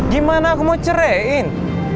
gimana aku mau cerain